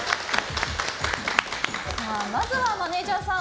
まずはマネジャーさん